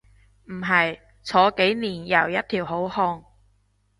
唔係，坐幾年又一條好漢